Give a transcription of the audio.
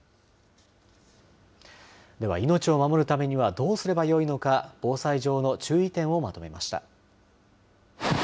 では、命を守るためにはどうすればよいのか防災上の注意点をまとめました。